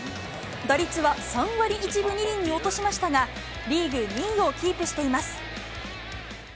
打率は３割１分２厘に落としましたが、リーグ２位をキープしています。